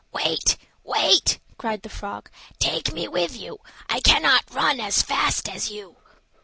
"Wait! wait!" cried the frog; "take me with you. I cannot run as fast as you."